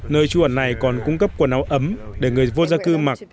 nơi trú ẩn này còn cung cấp quần áo ấm để người vô gia cư mặc